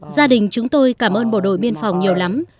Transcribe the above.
gia đình chúng tôi cảm ơn bộ đội biên phòng nhiều lắm